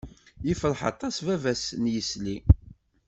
Ifreḥ aṭas baba-s n yisli.